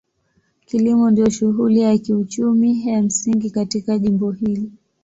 Kilimo ndio shughuli ya kiuchumi ya msingi katika jimbo hili.